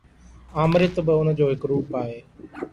آمريت به ان جو هڪ روپ آهي.